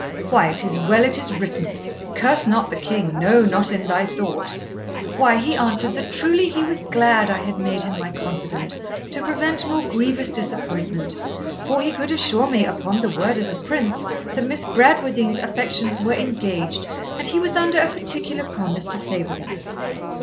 'Answer? why it is well it is written, "Curse not the king, no, not in thy thought!" why, he answered that truly he was glad I had made him my confidant, to prevent more grievous disappointment, for he could assure me, upon the word of a prince, that Miss Bradwardine's affections were engaged, and he was under a particular promise to favour them.